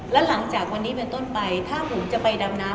แล้วหลังจากวันนี้เป็นต้นไปถ้าหมูจะไปดำน้ำ